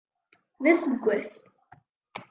D aseggas.